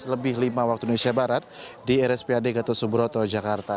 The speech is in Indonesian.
delapan belas lebih lima waktu indonesia barat di rspad gatot suburoto jakarta